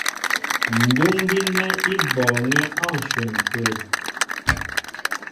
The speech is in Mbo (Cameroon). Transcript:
Ndúŋ gínɛ́ í bɔɔŋɛ́ á ǹshwɛn tê.